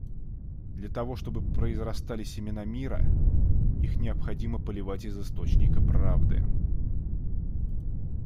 Для того чтобы произрастали семена мира, их необходимо поливать из источника правды.